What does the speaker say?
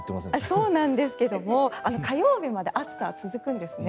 そうなんですけども火曜日まで暑さは続くんですね。